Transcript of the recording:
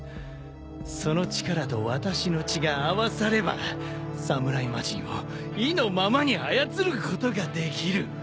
その力と私の血が合わされば侍魔人を意のままに操ることができる。